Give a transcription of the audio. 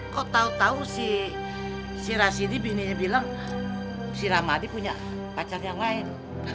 kok tau tau si rasidi bininya bilang si rahmadi punya pacar yang lain